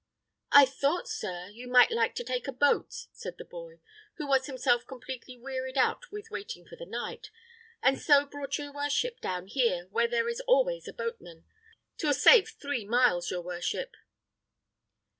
"I thought, sir, you might like to take boat," said the boy, who was himself completely wearied out with waiting for the knight, "and so brought your worship down here, where there is always a boatman. 'Twill save three miles, your worship."